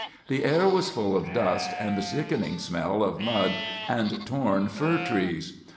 The air was full of dust and the sickening smell of mud and torn fir trees.